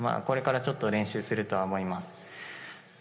これからちょっと練習するとは思います。